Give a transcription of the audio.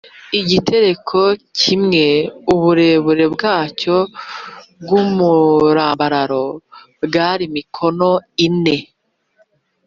igitereko kimwe uburebure bwacyo bw’umurambararo bwari mikono ine